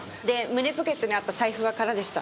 胸ポケットにあった財布は空でした。